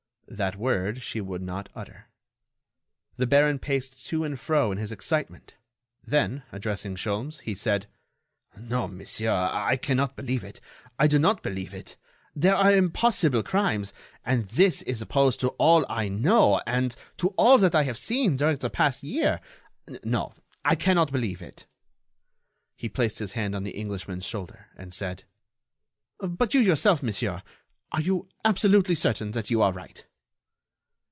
That word, she would not utter. The baron paced to and fro in his excitement; then, addressing Sholmes, he said: "No, monsieur, I cannot believe it, I do not believe it. There are impossible crimes! and this is opposed to all I know and to all that I have seen during the past year. No, I cannot believe it." He placed his hand on the Englishman's shoulder, and said: "But you yourself, monsieur, are you absolutely certain that you are right?"